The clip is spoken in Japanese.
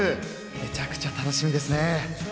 めちゃくちゃ楽しみですね。